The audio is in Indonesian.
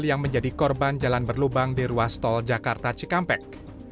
yang menjadi korban jalan berlubang di ruas tol jakarta cikampek